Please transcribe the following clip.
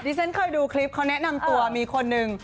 ที่ฉันเคยดูคลิปเขาแนะนำตัวมีคนหนึ่ง